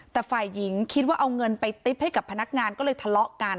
แต่ฝ่ายหญิงคิดว่าเอาเงินไปติ๊บให้กับพนักงานก็เลยทะเลาะกัน